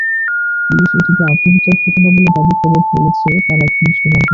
Police এটিকে আত্মহত্যার ঘটনা বলে দাবি করে বলেছে, তারা ঘনিষ্ঠ বান্ধবী ছিল।